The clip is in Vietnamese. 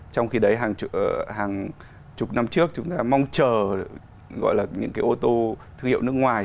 trong khi đấy hàng chục năm trước chúng ta mong chờ gọi là những cái ô tô thương hiệu nước ngoài